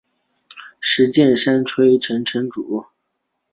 石见山吹城城主。